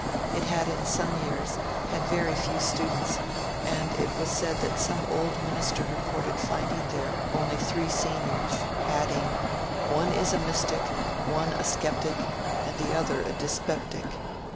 It had in some years had very few students, and it was said that some old minister reported finding there only three Seniors, adding, " One is a mystic, one a sceptic, the other a dyspeptic."